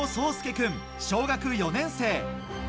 君、小学４年生。